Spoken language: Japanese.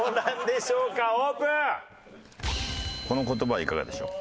この言葉いかがでしょう？